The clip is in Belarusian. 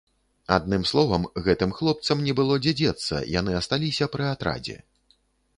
Адным словам, гэтым хлопцам не было дзе дзецца, яны асталіся пры атрадзе.